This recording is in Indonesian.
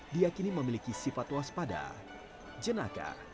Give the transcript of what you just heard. diakini memiliki sifat waspada jenaka